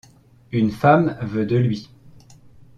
Une femme veut de lui!